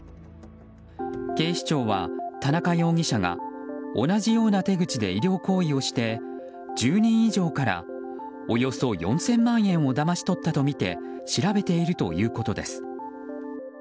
警視庁は田中容疑者が同じような手口で医療行為をして、１０人以上からおよそ４０００万円をだまし取ったとみて調べているということです。